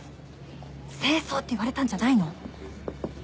正装って言われたんじゃないの？